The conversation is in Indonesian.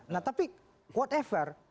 nah tapi whatever